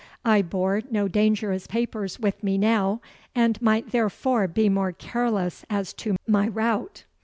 I bore no dangerous papers with me now, and might therefore be more careless as to my route.